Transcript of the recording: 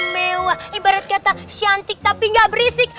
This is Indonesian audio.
imewa ibarat kata syantik tapi gak berisik